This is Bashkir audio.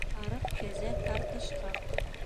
Арыҡ кәзә тартышҡаҡ